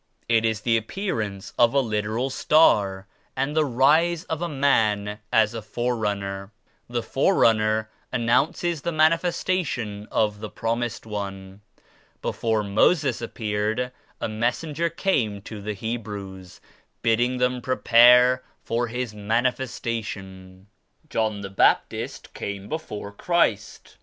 It is the appearance of a literal star and the rise of a man as a Forerunner. The Forerunner an nounces the Manifestation of the Promised One. Before Moses appeared, a messenger came to 85 the Hebrews bidding them prepare for His Manifestation. John the Baptist came before the Christ.